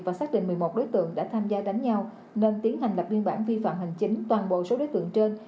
và xác định một mươi một đối tượng đã tham gia đánh nhau nên tiến hành lập biên bản vi phạm hành chính toàn bộ số đối tượng trên